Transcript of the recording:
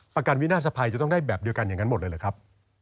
ประกันวินาศภัยจะต้องได้แบบเดียวกันอย่างนั้นหมดเลยหรือครับ